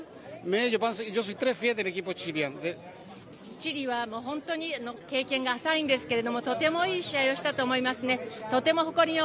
チリは本当に経験が浅いんですけれども、とてもいい試合をしたと思いますね。